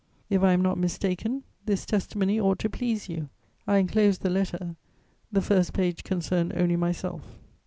"If I am not mistaken, this testimony ought to please you. I enclose the letter: the first page concerned only myself."